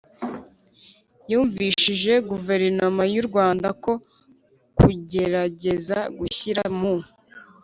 yumvishije guverinoma y'u rwanda ko kugerageza gushyira mu